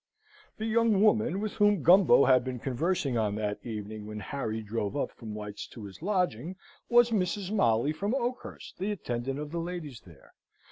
The young woman with whom Gumbo had been conversing on that evening when Harry drove up from White's to his lodging, was Mrs. Molly, from Oakhurst, the attendant of the ladies there.